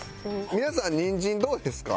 皆さんニンジンどうですか？